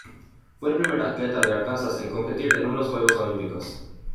Fue el primer atleta de Arkansas en competir en unos Juegos Olímpicos.